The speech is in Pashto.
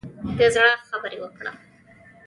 د زړه خبرې وکړه.